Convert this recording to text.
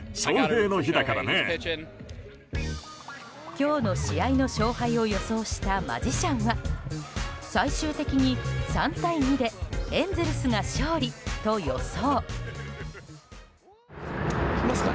今日の試合の勝敗を予想したマジシャンは最終的に３対２でエンゼルスが勝利と予想。